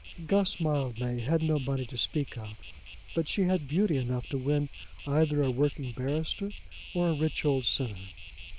Guss Mildmay had no money to speak of, but she had beauty enough to win either a working barrister or a rich old sinner.